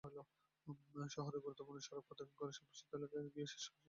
শহরের গুরুত্বপূর্ণ সড়ক প্রদক্ষিণ করে শাপলা চত্বর এলাকায় গিয়ে সেটি শেষ হয়।